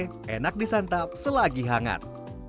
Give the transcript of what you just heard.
masakan ikan parende enak disantap selagi hangat